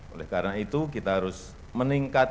oleh karena itu kita harus terhitung unafold